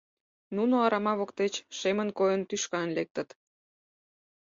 Нуно арама воктеч, шемын койын, тӱшкан лектыт.